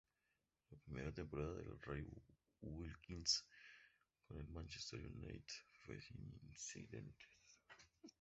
La primera temporada de Ray Wilkins con el Manchester United fue sin incidentes.